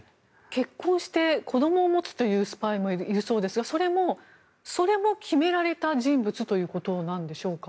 結婚して子どもを持つというスパイもいるそうですがそれも決められた人物ということなんでしょうか。